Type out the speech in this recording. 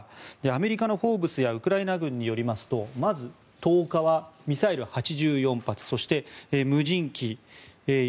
アメリカのフォーブスやウクライナ軍によりますとまず、１０日はミサイル８４発